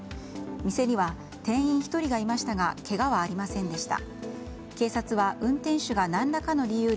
店には店員１人がいましたがけがはありませんでした。